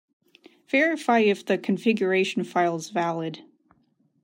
Verify if the configuration file is valid.